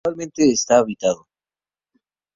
Actualmente está habitado.